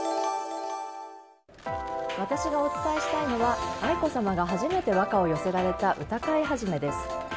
私がお伝えしたいのは愛子さまが初めて和歌を寄せられた歌会始です。